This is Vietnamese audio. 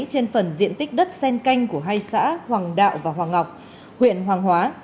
trên phần diện tích đất sen canh của hai xã hoàng đạo và hoàng ngọc huyện hoàng hóa